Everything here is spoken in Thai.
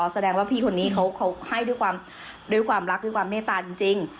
อ๋อแสดงว่าพี่คนนี้เขาให้ด้วยความรักด้วยความเนตราจริง